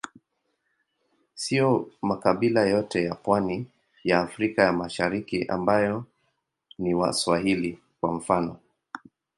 Siyo makabila yote ya pwani ya Afrika ya Mashariki ambao ni Waswahili, kwa mfano.